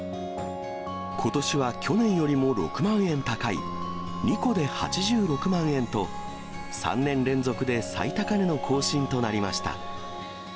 ことしは去年よりも６万円高い２個で８６万円と、３年連続で最高値の更新となりました。